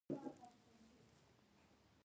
د احمد له دې ځايه مخ تور شو.